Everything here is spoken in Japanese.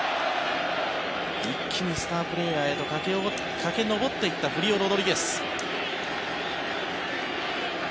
一気にスタープレーヤーへと駆け上っていったフリオ・ロドリゲス。